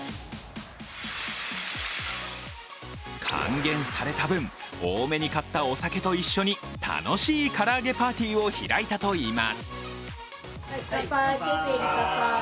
還元された分、多めに買ったお酒と一緒に楽しい唐揚げパーティーを開いたといいます。